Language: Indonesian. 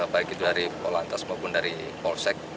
baik itu dari polantas maupun dari polsek